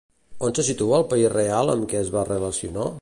On se situa el país real amb què es va relacionar?